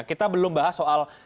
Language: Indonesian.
kita belum bahas soal